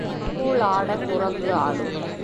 கோல் ஆட, குரங்கு ஆடும்.